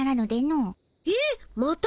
えっ？また？